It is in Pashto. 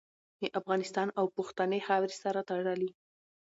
د افغانستان او پښتنې خاورې سره تړلې